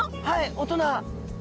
はい大人。